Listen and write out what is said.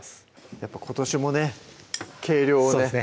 やっぱ今年もね計量をね